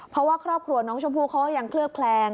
เพราะว่าครอบครัวน้องชมพู่เขาก็ยังเคลือบแคลง